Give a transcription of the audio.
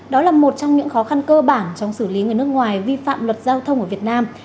đó là một trong những khó khăn cơ bản trong xử lý người nước ngoài vi phạm luật giao thông ở việt nam